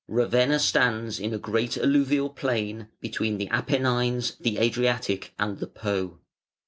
Ravenna stands in a great alluvial plain between the Apennines, the Adriatic, and the Po.